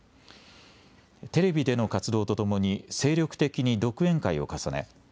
テレビでの活動とともに精力的に独演会を重ね